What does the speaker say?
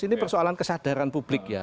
ini persoalan kesadaran publik ya